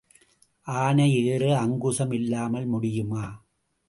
ஆனை ஏற அங்குசம் இல்லாமல் முடியுமா?